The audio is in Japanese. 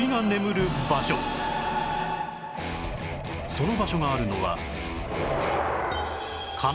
その場所があるのは